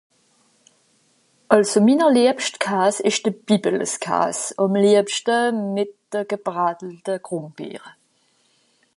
Àlso minner liebschtkas ìsch de Bibbeleskas, àm liebschte mìt euh... gebrattelte Grùmbeere.